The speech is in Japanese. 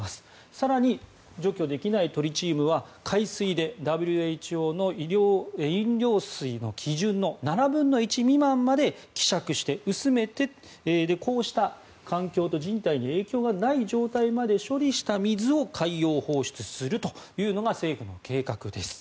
更に、除去できないトリチウムは海水でＷＨＯの飲料水の基準の７分の１未満まで希釈して、薄めてこうした環境と人体に影響がない状態まで処理した水を海洋放出するというのが政府の計画です。